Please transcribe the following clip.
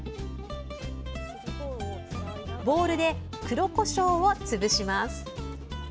ボウルで黒こしょうを潰します。